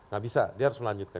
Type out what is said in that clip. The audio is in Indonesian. gak bisa dia harus melanjutkan